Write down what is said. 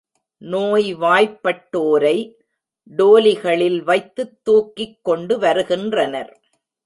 நோய்வாய்ப்பட்டோரை, டோலிகளில் வைத்துத் தூக்கிக் கொண்டுவருகின்றனர்.